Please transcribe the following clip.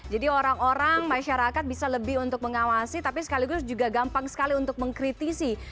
jadi orang orang masyarakat bisa lebih untuk mengawasi tapi sekaligus juga gampang sekali untuk mengkritisi